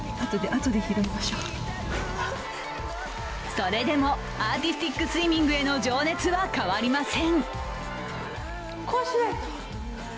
それでも、アーティスティックスイミングへの情熱は変わりません。